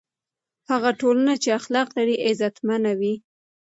هغه ټولنه چې اخلاق لري، عزتمنه وي.